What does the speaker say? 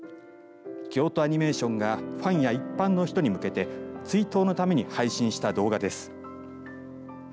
京都アニメーションがファンや一般の人に向けて追悼のために配信した動画です。